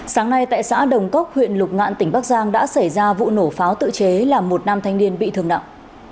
sáng nay tại xã đồng cốc huyện lục ngạn tỉnh bắc giang đã xảy ra vụ nổ pháo tự chế làm một nam thanh niên bị thương nặng